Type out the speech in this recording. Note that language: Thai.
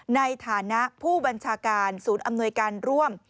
ในฐานะผู้บัญชาการศูนย์อำนวยการร่วม